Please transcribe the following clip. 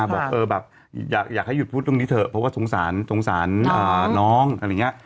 บอกเออแบบอยากให้หยุดพูดเรื่องนี้เถอะเพราะว่าสงสารสงสารน้องอะไรอย่างนี้